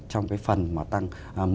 trong cái phần mà tăng một mươi